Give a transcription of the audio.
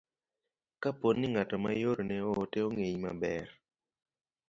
Kapo ni ng'at ma iorone ote ong'eyi maber,